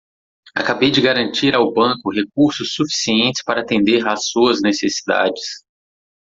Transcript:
Acabei de garantir ao banco recursos suficientes para atender às suas necessidades.